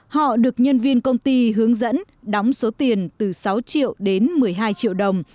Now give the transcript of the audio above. họ được nhân viên công ty hướng dẫn đóng số tiền từ sáu triệu đến một mươi hai triệu đồng